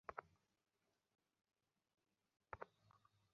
অনেক সাইট আছে, যেখানে পেপ্যাল ছাড়া কোনো কিছু কাজ করে না।